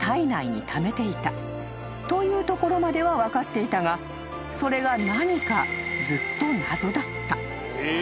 というところまでは分かっていたがそれが何かずっと謎だった］